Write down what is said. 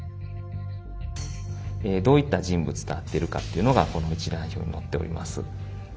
えどういった人物と会ってるかっていうのがこの一覧表に載っております。